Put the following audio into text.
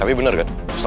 ini udah apa